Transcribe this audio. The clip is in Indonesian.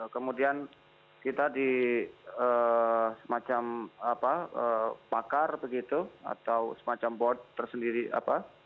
kemudian kita di semacam pakar begitu atau semacam board tersendiri apa